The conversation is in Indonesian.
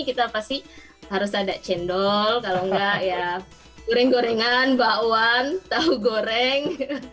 kita pasti harus ada cendol kalau enggak ya goreng gorengan bakwan tahu goreng